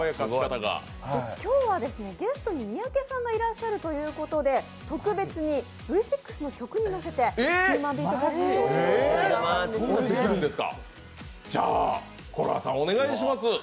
今日はゲストに三宅さんがいらっしゃるということで、特別に、Ｖ６の曲に乗せてヒューマンビートボックスを披露してくださるんです。